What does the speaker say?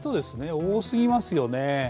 多すぎますよね。